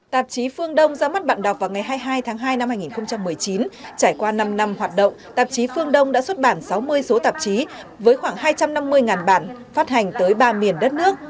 tạp chí phương đông ra mắt bạn đọc vào ngày hai mươi hai tháng hai năm hai nghìn một mươi chín trải qua năm năm hoạt động tạp chí phương đông đã xuất bản sáu mươi số tạp chí với khoảng hai trăm năm mươi bản phát hành tới ba miền đất nước